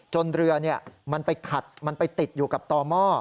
เรือมันไปขัดมันไปติดอยู่กับต่อหม้อ